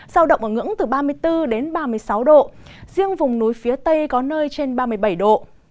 giao động ở ngưỡng từ ba mươi bốn đến ba mươi sáu độ riêng vùng núi phía tây có nơi trên ba mươi bảy độ